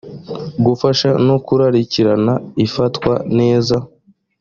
gufasha no gukurikirana ifatwa neza